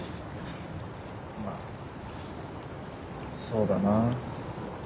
まあそうだな。